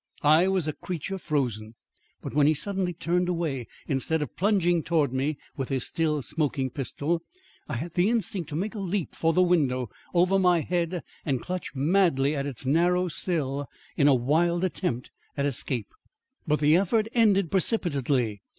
I was a creature frozen. But when he suddenly turned away instead of plunging towards me with his still smoking pistol, I had the instinct to make a leap for the window over my head and clutch madly at its narrow sill in a wild attempt at escape. But the effort ended precipitately.